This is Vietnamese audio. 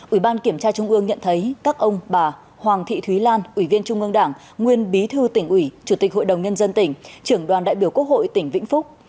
ủy ban kiểm tra trung ương nhận thấy các ông bà hoàng thị thúy lan ủy viên trung ương đảng nguyên bí thư tỉnh ủy chủ tịch hội đồng nhân dân tỉnh trưởng đoàn đại biểu quốc hội tỉnh vĩnh phúc